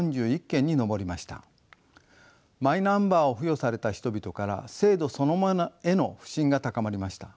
マイナンバーを付与された人々から制度そのものへの不信が高まりました。